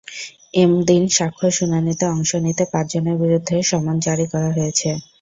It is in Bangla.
এদিন সাক্ষ্য শুনানিতে অংশ নিতে পাঁচজনের বিরুদ্ধে সমন জারি করা হয়েছে।